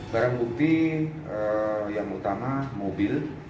barang bukti yang utama mobil